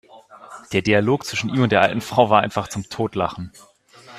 Der Dialog zwischen ihm und der alten Frau war einfach zum Totlachen!